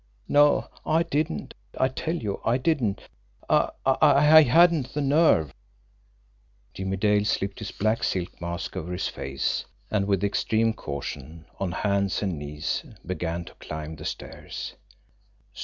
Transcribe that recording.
"No, I didn't! I tell you, I didn't! I I hadn't the nerve." Jimmie Dale slipped his black silk mask over his face; and with extreme caution, on hands and knees, began to climb the stairs.